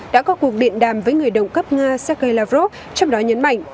đã có cuộc điện đàm với người đồng cấp nga sergei lavrov trong đó nhấn mạnh